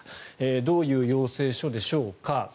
どういう要請書でしょうか。